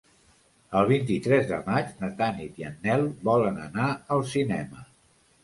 El vint-i-tres de maig na Tanit i en Nel volen anar al cinema.